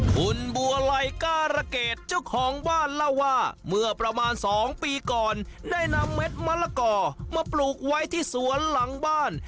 คุณบัวไลการเกรดเจ้าของบ้านเล่าว่าเมื่อประมาณ๒ปีก่อนได้นำเม็ดมะละกอมาปลูกไว้ที่สวนหลังบ้าน